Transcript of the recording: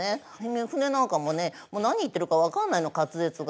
三船なんかもね何言ってるか分かんないの滑舌が。